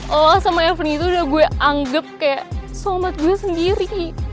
oh sama aveni itu udah gue anggap kayak selamat gue sendiri